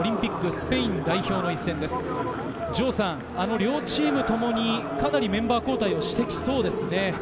両チームともに、かなりメンバー交代をしてきそうですね。